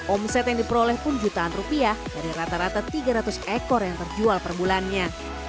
omset yang diperoleh pun jutaan rupiah dari rata rata tiga ratus ekor yang terjual per bulannya